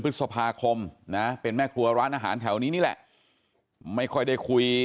พฤษภาคมนะเป็นแม่ครัวร้านอาหารแถวนี้นี่แหละไม่ค่อยได้คุย